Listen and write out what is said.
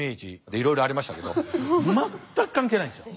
いろいろありましたけど全く関係ないんですよ。